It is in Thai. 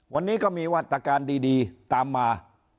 วันนี้ก็มีมาตรการดีตามมา